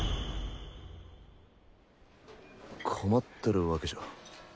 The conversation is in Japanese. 困ってるわけじゃ。